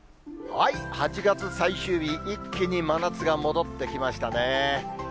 ８月最終日、一気に真夏が戻ってきましたね。